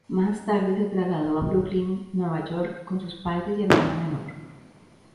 Más tarde se trasladó a Brooklyn, Nueva York con sus padres y hermano menor.